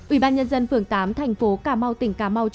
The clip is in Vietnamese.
ủy ban nhân dân phường tám thành phố cà mau tỉnh cà mau cho